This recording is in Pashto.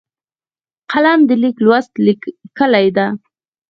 قلم د لیک لوست کلۍ ده